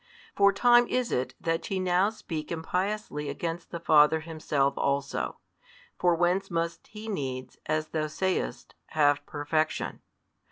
For time is it that ye now speak impiously against the Father Himself also: for whence must He needs, as thou sayest, have perfection?